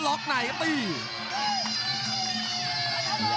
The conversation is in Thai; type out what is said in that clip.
โอ้โห